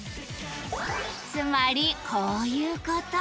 つまりこういうこと。